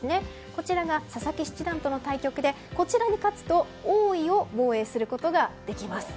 こちらが佐々木七段との戦いでこちらに勝つと王位を防衛することができます。